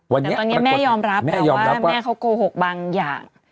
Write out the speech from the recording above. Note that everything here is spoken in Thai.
แต่ตอนนี้แม่ยอมรับแต่ว่าแม่เขาโกหกบางอย่าง